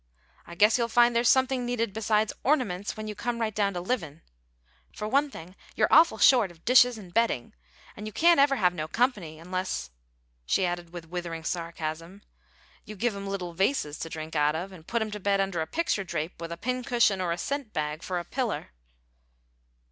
"I guess you'll find there's something needed besides ornaments when you come right down to livin'. For one thing, you're awful short of dishes and bedding, and you can't ever have no company unless," she added, with withering sarcasm, "you give 'em little vases to drink out of, and put 'em to bed under a picture drape, with a pin cushion or a scent bag for a piller."